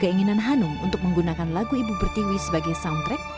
keinginan hanum untuk menggunakan lagu ibu pertiwi sebagai soundtrack